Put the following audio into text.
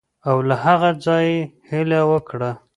او له هغه څخه یې هیله وکړه.